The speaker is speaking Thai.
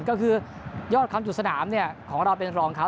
ก็คือยอดความจุสนามของเราเป็นรองเขา